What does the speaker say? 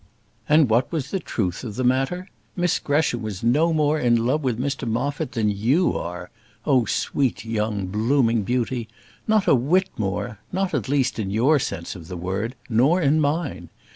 And what was the truth of the matter? Miss Gresham was no more in love with Mr Moffat than you are oh, sweet, young, blooming beauty! Not a whit more; not, at least, in your sense of the word, nor in mine.